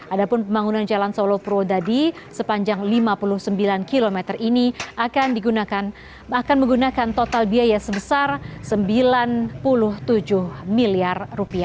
adapun pembangunan jalan solo purwodadi sepanjang lima puluh sembilan km ini akan menggunakan total biaya sebesar rp sembilan puluh tujuh miliar